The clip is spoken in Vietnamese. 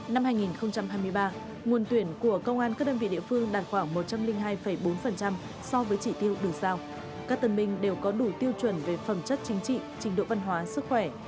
năm hai nghìn hai mươi ba nguồn tuyển của công an các đơn vị địa phương đạt khoảng một trăm linh hai bốn so với chỉ tiêu được giao các tân binh đều có đủ tiêu chuẩn về phẩm chất chính trị trình độ văn hóa sức khỏe